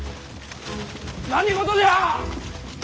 何事じゃ！